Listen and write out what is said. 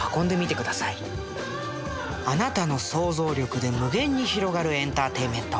あなたの想像力で無限に広がるエンターテインメント。